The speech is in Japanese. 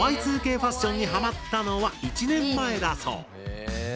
Ｙ２Ｋファッションにハマったのは１年前だそう。